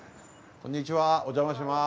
こんにちはおじゃまします。